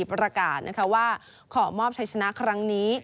ประกาศว่าขอมอบชัยชนะครั้งนี้